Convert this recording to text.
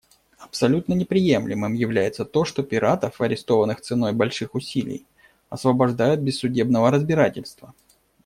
Абсолютно неприемлемым является то, что пиратов, арестованных ценой больших усилий, освобождают без судебного разбирательства.